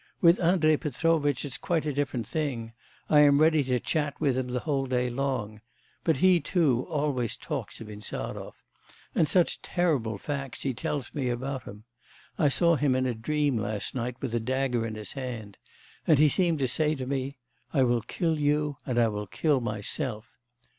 With Andrei Petrovitch it's quite a different thing. I am ready to chat with him the whole day long. But he too always talks of Insarov. And such terrible facts he tells me about him! I saw him in a dream last night with a dagger in his hand. And he seemed to say to me, "I will kill you and I will kill myself!"